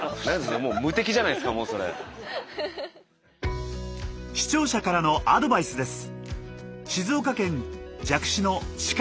何ですか視聴者からのアドバイスです。